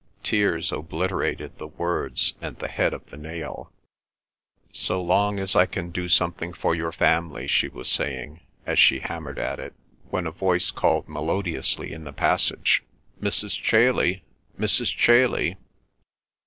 Tears obliterated the words and the head of the nail. "So long as I can do something for your family," she was saying, as she hammered at it, when a voice called melodiously in the passage: "Mrs. Chailey! Mrs. Chailey!"